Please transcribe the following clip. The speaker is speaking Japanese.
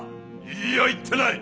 いいや言ってない。